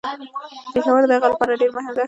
پېښور د هغه لپاره ډیر مهم و.